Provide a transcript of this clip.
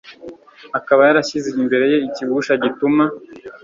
akaba yarashyize imbere ye ikigusha gituma